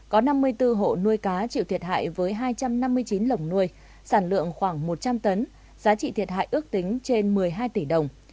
có năm mươi bốn hộ nuôi cá chịu thiệt hại với hai trăm năm mươi chín lồng nuôi sản lượng khoảng một trăm linh tấn giá trị thiệt hại ước tính trên một mươi hai tỷ đồng